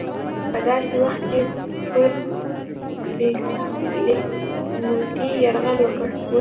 په داسې وخت کې پر لکهنوتي یرغل وکړ.